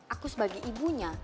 aku sebagai ibunya